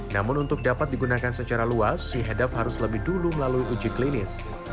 namun untuk dapat digunakan secara luas si hedav harus lebih dulu melalui uji klinis